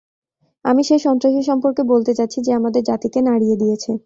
আমি সেই সন্ত্রাসী সম্পর্কে বলতে যাচ্ছি যে আমাদের জাতিকে নাড়িয়ে দিয়েছে।